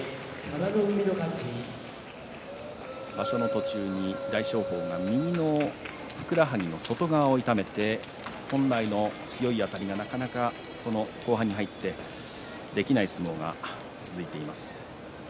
場所の途中に、大翔鵬が右のふくらはぎの外側を痛めて本来の強いあたりが、なかなか後半に入ってできない相撲が続いています。